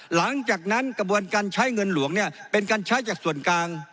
หลังจากนั้นกระบวนการใช้เงินหลวงเนี่ยเป็นการใช้จากส่วนกลาง